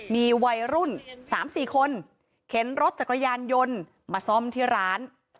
มีวัยรุ่น๓๔คนเข็นรถจักรยานยนต์มาซ่อมที่ร้าน